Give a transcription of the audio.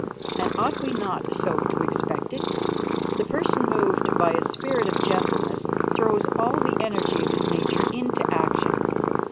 And ought we not so to expect it? The person moved by a spirit of gentleness throws all the energy of his nature into action.